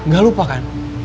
gak lupa kan